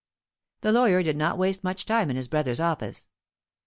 The lawyer did not waste much time in his brother's office.